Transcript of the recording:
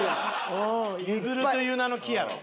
「ゆずる」という名の木やろ。